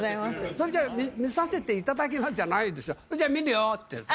それじゃあ、見させていただきますじゃないでしょう、それじゃ見るよって。